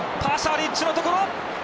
パシャリッチのところ！